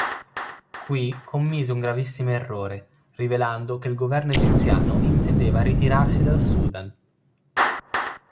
Qui commise un gravissimo errore, rivelando che il governo egiziano intendeva ritirarsi dal Sudan.